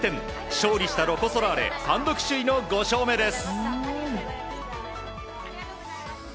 勝利したロコ・ソラーレ単独首位の５勝目です。